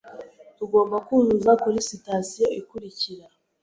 Tugomba kuzuza kuri sitasiyo ikurikira.